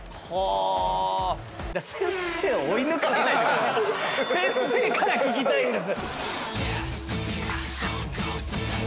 だから先生から聞きたいんです。